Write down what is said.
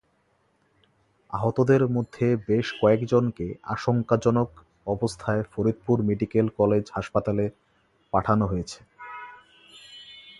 আহতদের মধ্যে বেশ কয়েকজনকে আশঙ্কাজনক অবস্থায় ফরিদপুর মেডিকেল কলেজ হাসপাতালে পাঠানো হয়েছে।